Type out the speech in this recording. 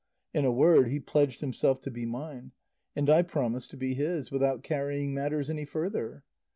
In a word, he pledged himself to be mine, and I promised to be his, without carrying matters any further.